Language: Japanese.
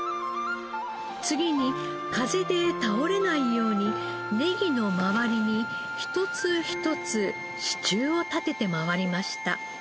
次に風で倒れないようにネギの周りに一つ一つ支柱を立てて回りました。